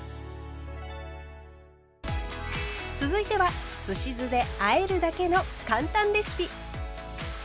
続いてはすし酢であえるだけの簡単レシピ。